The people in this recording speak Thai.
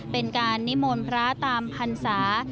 เป็นการนิมนต์พระตามพรรษา